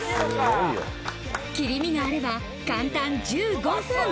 切り身があれば簡単１５分。